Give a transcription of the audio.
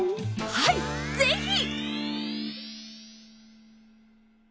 はいぜひ。